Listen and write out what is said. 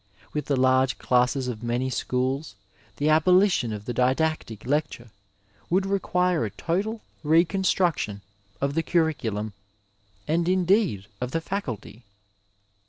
With the large classes of many schools the abolition of the didactic lecture would require a total recon struction of the curriculum and indeed of the houlty.